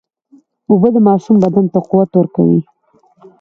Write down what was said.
اوبه د ماشوم بدن ته قوت ورکوي.